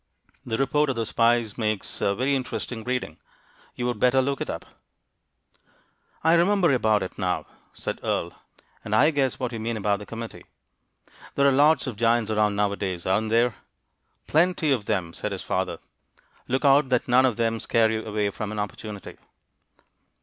The report of the spies makes very interesting reading; you would better look it up." "I remember about it now," said Earle, "and I guess what you mean about the committee. There lots of giants around nowadays, aren't there?" "Plenty of them!" said his father. "Look out that none of them scare you away from an opportunity."